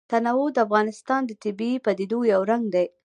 تنوع د افغانستان د طبیعي پدیدو یو رنګ دی.